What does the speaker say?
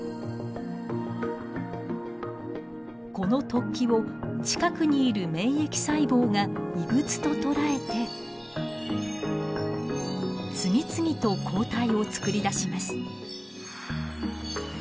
この突起を近くにいる免疫細胞が異物ととらえて次々と抗体を作り出します。